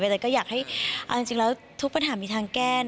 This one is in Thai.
แต่ก็อยากให้เอาจริงแล้วทุกปัญหามีทางแก้